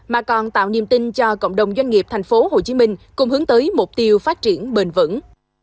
mà còn tạo niềm tin cho cộng đồng doanh nghiệp tp hcm cùng hướng tới mục tiêu phát triển bền vững